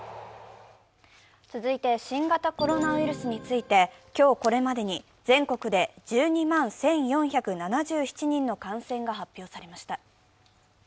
続いて、新型コロナウイルスについて今日これまでに全国で１２万１４７７人の感染が発表されました。